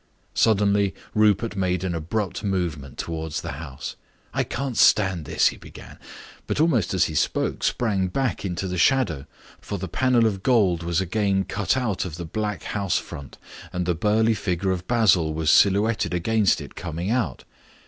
Suddenly Rupert made an abrupt movement towards the house. "I can't stand this," he began, but almost as he spoke sprang back into the shadow, for the panel of gold was again cut out of the black house front, and the burly figure of Basil was silhouetted against it coming out.